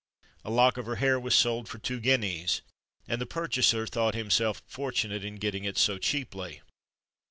A lock of her hair was sold for two guineas, and the purchaser thought himself fortunate in getting it so cheaply.